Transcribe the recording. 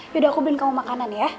yaudah aku bikin kamu makanan ya